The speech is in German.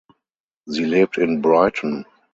Sie lebt in Brighton.